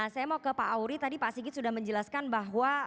saya mau ke pak auri tadi pak sigit sudah menjelaskan bahwa